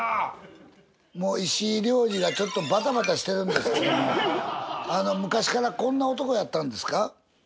もう石井亮次がちょっとバタバタしてるんですけども昔からこんな男やったんですか？